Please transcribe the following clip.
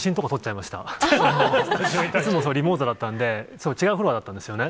いつもリモートだったんで、違うフロアだったんですよね。